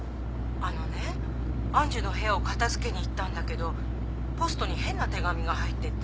あのね愛珠の部屋を片付けに行ったんだけどポストに変な手紙が入ってて。